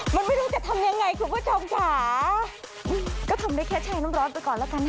มันไม่รู้จะทำยังไงคุณผู้ชมค่ะก็ทำได้แค่แชร์น้ำร้อนไปก่อนแล้วกันนะ